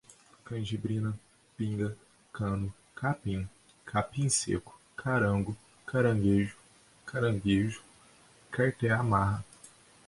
canjibrina, pinga, cano, capim, capim sêco, carango, caranguejeiro, caranguejo, cartear marra